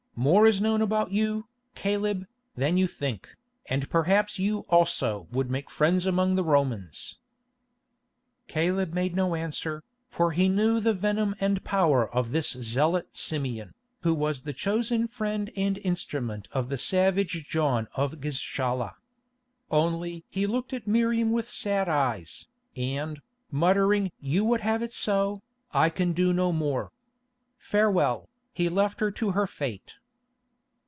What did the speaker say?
More is known about you, Caleb, than you think, and perhaps you also would make friends among the Romans." Caleb made no answer, for he knew the venom and power of this Zealot Simeon, who was the chosen friend and instrument of the savage John of Gischala. Only he looked at Miriam with sad eyes, and, muttering "You would have it so, I can do no more. Farewell," left her to her fate.